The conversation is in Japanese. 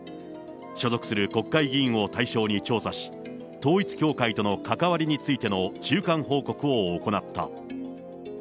所属する国会議員を対象に調査し、統一教会との関わりについての中間報告を行った。